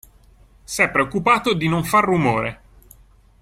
S'è preoccupato di non far rumore.